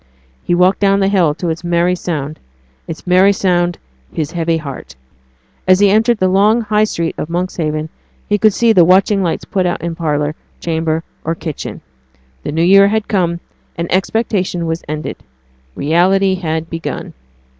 He walked down the hill to its merry sound its merry sound, his heavy heart. As he entered the long High Street of Monkshaven he could see the watching lights put out in parlour, chamber, or kitchen. The new year had come, and expectation was ended. Reality had begun.